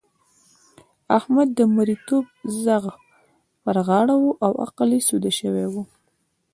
د احمد د مرېيتوب ځغ پر غاړه وو او عقل يې سوده شوی وو.